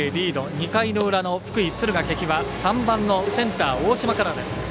２回の裏の敦賀気比は３番センター大島からです。